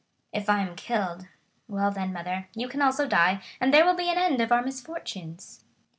If I am killed—well then mother, you can also die, and there will be an end of our misfortunes."